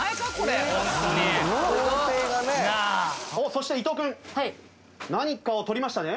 そして伊藤君何かを取りましたね？